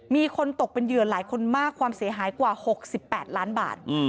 มีคนตกเป็นเหยื่อหลายคนมากความเสียหายกว่า๖๘ล้านบาท